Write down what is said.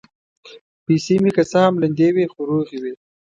پیسې مې که څه هم لندې وې، خو روغې وې.